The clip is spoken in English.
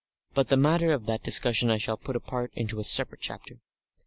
But the matter of that discussion I shall put apart into a separate chapter.